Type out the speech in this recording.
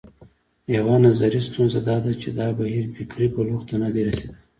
یوه نظري ستونزه دا ده چې دا بهیر فکري بلوغ ته نه دی رسېدلی.